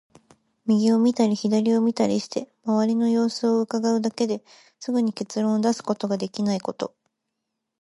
右を見たり左を見たりして、周りの様子を窺うだけですぐに結論を出すことができないこと。